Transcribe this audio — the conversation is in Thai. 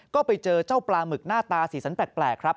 ก็ไปเจอเจ้าปลาหมึกหน้าตาสีสันแปลกครับ